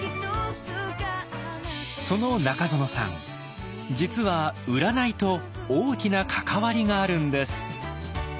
その中園さん実は「占い」と大きな関わりがあるんです。